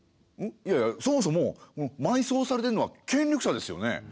いやいやそもそもまいそうされてんのは権力者ですよね。